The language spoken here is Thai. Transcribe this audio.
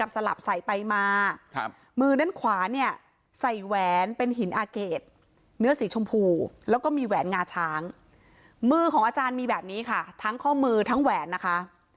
ใส่แหวนเป็นหินอาเกษเนื้อสีชมพูแล้วก็มีแหวนงาช้างมือของอาจารย์มีแบบนี้ค่ะทั้งข้อมือทั้งแหวนนะคะ